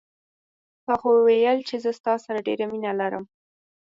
تا خو ویل چې زه ستا سره ډېره مینه لرم